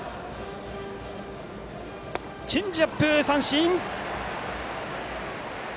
チェンジアップ！